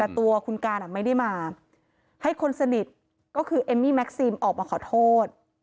แต่ตัวคุณการไม่ได้มาให้คนสนิทก็คือเอมมี่แม็กซีมออกมาขอโทษ